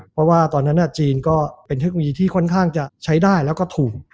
เพราะว่าตอนนั้นจีนก็เป็นเทคโนโลยีที่ค่อนข้างจะใช้ได้แล้วก็ถูก